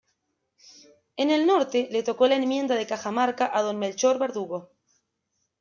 En el norte, le tocó la enmienda de Cajamarca a don Melchor Verdugo.